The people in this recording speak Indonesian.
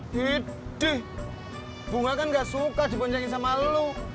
hidih bunga kan gak suka diponjolin sama lo